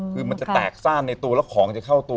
คือมันจะแตกซ่านในตัวแล้วของจะเข้าตัว